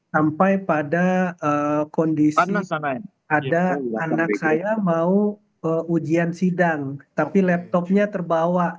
sampai pada kondisi ada anak saya mau ujian sidang tapi laptopnya terbawa